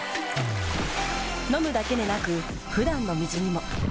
飲むだけでなく普段の水にも。